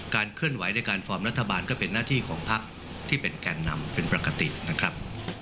เคลื่อนไหวในการฟอร์มรัฐบาลก็เป็นหน้าที่ของพักที่เป็นแก่นนำเป็นปกตินะครับ